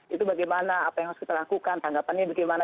itu bagaimana apa yang harus kita lakukan tanggapannya bagaimana